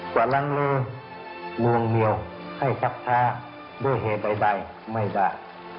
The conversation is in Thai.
กว่าลังเลลวงเมียวให้จับท้าด้วยเหตุใดไม่ได้